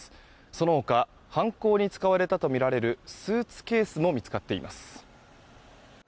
その他、犯行に使われたとみられるスーツケースも見つかっています。